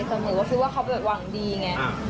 แต่หนูก็คิดว่าเขาแบบหวังดีไง